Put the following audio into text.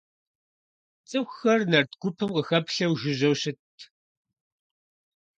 ЦӀыхухэр нарт гупым къахэплъэу жыжьэу щытт.